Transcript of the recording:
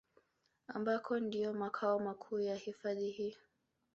Ambako ndiyo makao makuu ya hifadhi hii